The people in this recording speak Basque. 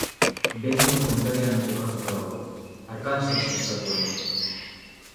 Benton konderrian kokatuta dago, Arkansas estatuan.